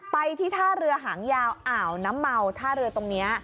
ไปที่ท่าเรือหางยาวอ่าวน้ำเมาท่าเรือตรงนี้